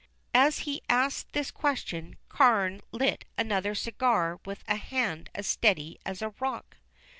As he asked this question, Carne lit another cigar with a hand as steady as a rock.